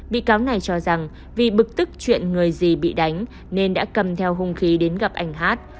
bị cáo này cho rằng vì bực tức chuyện người gì bị đánh nên đã cầm theo hung khí đến gặp anh hát